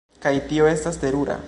Kaj tio estas terura!